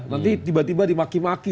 nanti tiba tiba dimaki maki